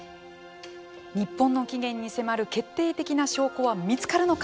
日本の起源に迫る決定的な証拠は見つかるのか。